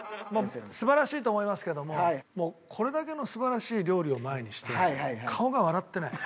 素晴らしいと思いますけどもこれだけの素晴らしい料理を前にして顔が笑ってない。